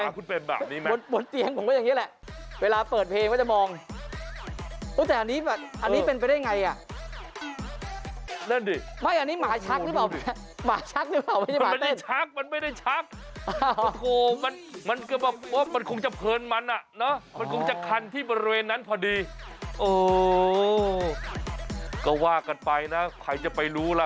คุณเลี้ยงหมาคุณเล่าให้ฟังหน่อยว่าหมาคุณเป็นแบบนี้ไหมใช่นี่เลยบนเตียงผมก็อย่างนี้แหละ